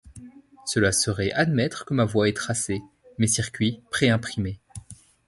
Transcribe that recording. Cela serait admettre que ma voie est tracée, mes circuits pré-imprimés.